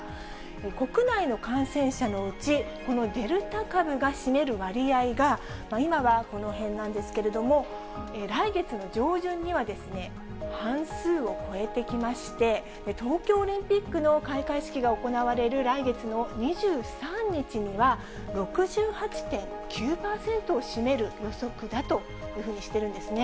国内の感染者のうち、このデルタ株が占める割合が、今はこの辺なんですけれども、来月の上旬には半数を超えてきまして、東京オリンピックの開会式が行われる来月の２３日には、６８．９％を占める予測だというふうにしてるんですね。